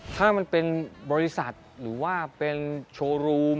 ถ้ามันเป็นบริษัทหรือว่าเป็นโชว์รูม